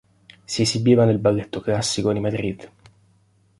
Si esibiva nel balletto classico di Madrid.